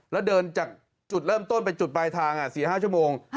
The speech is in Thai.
แล้วเดินจากจุดเริ่มต้นไปจุดปลายทาง๔๕ชั่วโมง